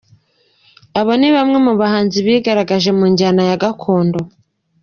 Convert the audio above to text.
Abo ni bamwe mu bahanzi bigaragaje mu njyana ya gakondo.